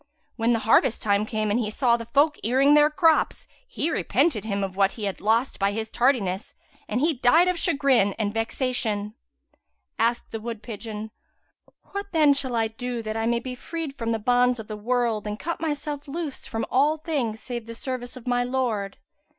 When harvest time came and he saw the folk earing their crops, he repented him of what he had lost by his tardiness and he died of chagrin and vexation." Asked the wood pigeon, "What then shall I do that I may be freed from the bonds of the world and cut myself loose from all things save the service of my Lord?"